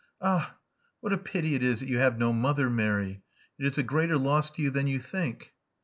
Ah, what a pity it is that you have no mother, Mary! It is a greater loss to you than you think."